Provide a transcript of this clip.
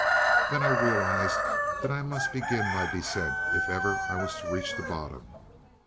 Then I realized that I must begin my descent if ever I was to reach the bottom.